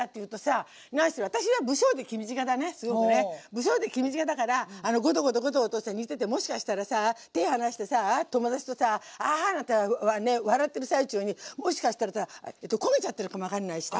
不精で気短だからゴトゴトゴトゴト煮ててもしかしたらさ手離してさ友達とさアハハなんて笑ってる最中にもしかしたらさ焦げちゃってるかも分かんないしさ。